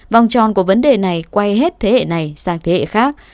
vòng tròn của vấn đề này quay hết thế hệ này sang thế hệ khác